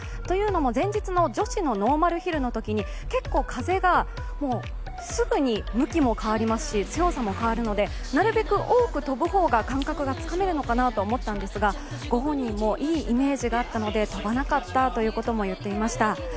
というのも前日の女子のノーマルヒルのときに結構風がすぐに向きも変わりますし強さも変わるのでなるべく、多く飛ぶ方が感覚がつかめるのかなと思ったんですがご本人もいいイメージがあったので、飛ばなかったということも言っていました。